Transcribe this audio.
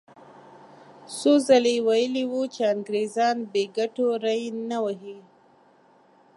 څو ځلې یې ویلي وو چې انګریزان بې ګټو ری نه وهي.